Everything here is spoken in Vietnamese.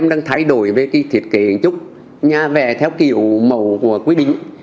đang thay đổi về cái thiết kế hành trúc nha về theo kiểu màu của quy định